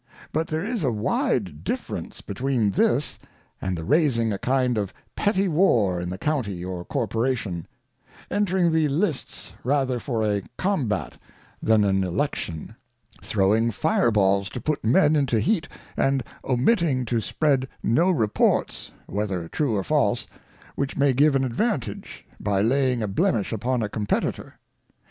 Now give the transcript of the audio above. But there is a wide difference between this and the raising a 'kind of petty War in the County or Corporation ; entring the Lists rather for a Combat than an Election ; throwing Fire balls to Cautions for Choice of Members in Parliament. 143 to put Men into heat, and omitting to spread no Reports, whether true or false, which may give an advantage hy laying a Blemish upon a Competitor.